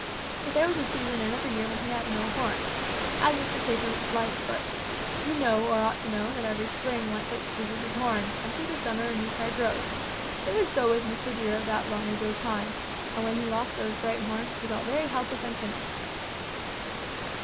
But there was a season in every year when he had no horns, as is the case with Lightfoot. You know, or ought to know, that every spring Lightfoot loses his horns and through the summer a new pair grows. It was so with Mr. Deer of that long ago time, and when he lost those great horns, he felt very helpless and timid.